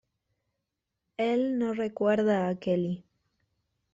Elle no recuerda a Kellie.